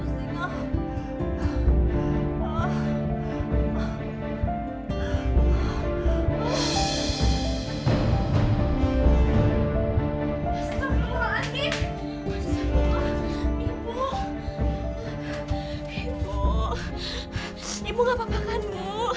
astaghfirullahaladzim astaghfirullah ibu ibu ibu apa apa kan ibu